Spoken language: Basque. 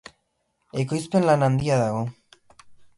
Ekoizpen lan handia dago.